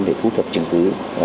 để thu thập chứng cứ